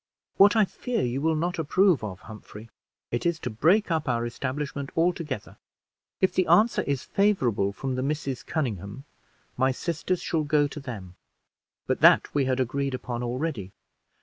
"What I fear you will not approve of, Humphrey; it is to break up our establishment altogether. If the answer is favorable from the Misses Conynghame my sisters shall go to them; but that we had agreed upon already.